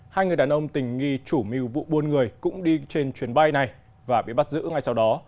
hai người đàn ông tình nghi chủ mưu vụ buôn người cũng đi trên chuyến bay này và bị bắt giữ ngay sau đó